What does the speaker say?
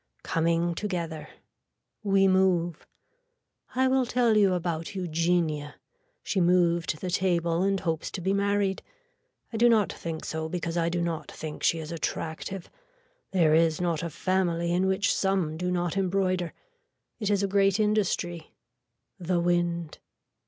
Coming together. We move. I will tell you about Eugenia. She moved the table and hopes to be married. I do not think so because I do not think she is attractive. There is not a family in which some do not embroider. It is a great industry. The wind.